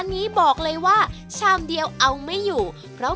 มีวันหยุดเอ่ออาทิตย์ที่สองของเดือนค่ะ